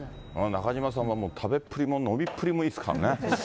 中島さんはもう食べっぷりも飲みっぷりもいいですからね。